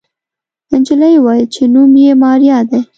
نجلۍ وويل چې نوم يې ماريا دی.